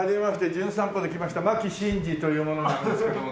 『じゅん散歩』で来ました牧伸二という者なんですけども。